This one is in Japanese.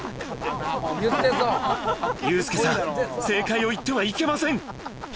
ユースケさん、正解を言ってはいけません。